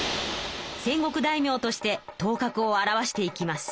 戦国大名として頭角を現していきます。